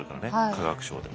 化学賞で。